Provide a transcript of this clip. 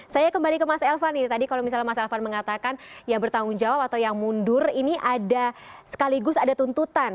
saya kembali ke mas elvan ini tadi kalau misalnya mas elvan mengatakan yang bertanggung jawab atau yang mundur ini ada sekaligus ada tuntutan